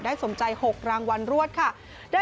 สมใจ๖รางวัลรวดค่ะ